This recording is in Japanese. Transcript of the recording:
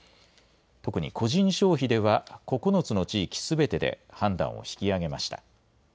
特に個人消費では、９つの地域すべてで判断を引き上げました。